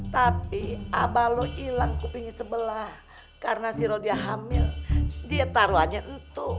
tapi abah lo ilang kupingnya sebelah karena si rodia hamil dia taruhannya ntuk